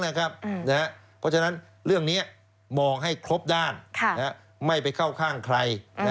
เพราะฉะนั้นเรื่องนี้มองให้ครบด้านไม่ไปเข้าข้างใคร